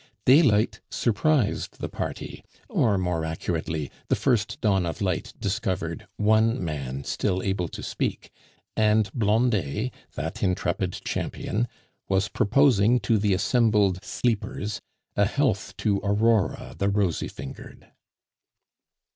Daylight surprised the party, or more accurately, the first dawn of light discovered one man still able to speak, and Blondet, that intrepid champion, was proposing to the assembled sleepers a health to Aurora the rosy fingered.